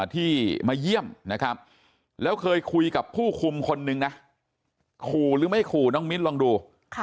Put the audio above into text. ที่มาเยี่ยมนะครับแล้วเคยคุยกับผู้คุมคนนึงนะขู่หรือไม่ขู่น้องมิ้นลองดู